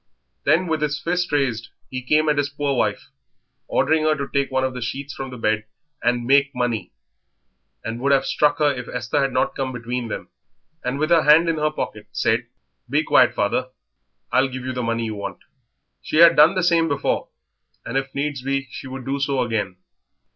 Then, with his fist raised, he came at his poor wife, ordering her to take one of the sheets from the bed and "make money," and would have struck her if Esther had not come between them and, with her hand in her pocket, said, "Be quiet, father; I'll give you the money you want." She had done the same before, and, if needs be, she would do so again.